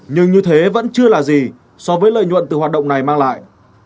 nhưng như thế vẫn chưa là gì so với lợi nhuận từ hoạt động này mang lại